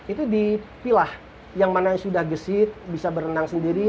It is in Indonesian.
itu dipilah yang mana sudah gesit bisa berenang sendiri